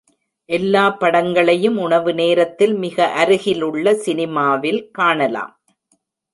எல்லா படங்களையும் உணவு நேரத்தில் மிக அருகிலுள்ள சினிமாவில் காணலாம்.